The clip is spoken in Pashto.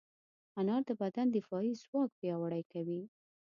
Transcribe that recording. انار د بدن دفاعي ځواک پیاوړی کوي.